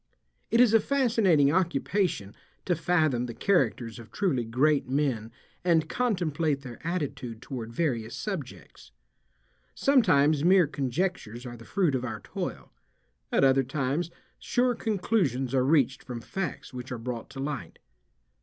It is a fascinating occupation to fathom the characters of truly great men and contemplate their attitude toward various subjects. Sometimes mere conjectures are the fruit of our toil. At other times sure conclusions are reached from facts which are brought to light.